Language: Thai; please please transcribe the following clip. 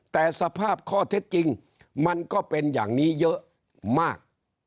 แต่สภาพข้อเท็จจริงมันก็เป็นอย่างนี้เยอะมาก